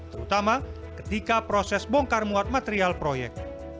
terutama ketika proses bongkar muat material proyek